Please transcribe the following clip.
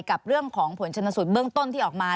กับเรื่องของผลชนสูตรเบื้องต้นที่ออกมา